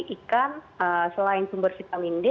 ikan selain sumber vitamin d